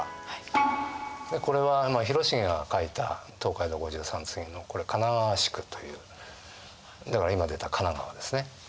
これは広重が描いた「東海道五拾三次」のこれは神奈川宿というだから今でいったら神奈川ですね。